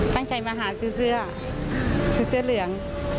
ตั้งใจมาหาเสื้อเหลือง